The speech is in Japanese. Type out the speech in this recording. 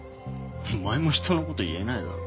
お前も人のこと言えないだろ。